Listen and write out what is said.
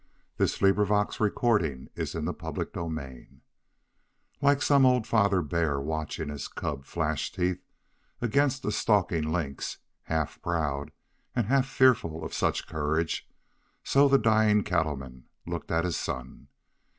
"Ha!" "I have come to find McGurk." CHAPTER 4 Like some old father bear watching his cub flash teeth against a stalking lynx, half proud and half fearful of such courage, so the dying cattleman looked at his son.